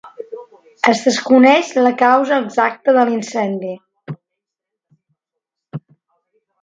Es desconeix la causa exacta de l'incendi.